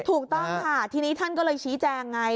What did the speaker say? ถูกต้องค่ะทีนี้ท่านก็เลยชี้แจงไง